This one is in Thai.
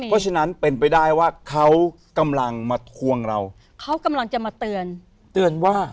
เพราะฉะนั้นเป็นไปได้ว่าเขากำลังมาทวงเราเขากำลังจะมาเตือนเตือนว่า